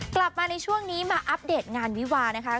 กลับมาในช่วงนี้มาอัปเดตงานวิวานะคะ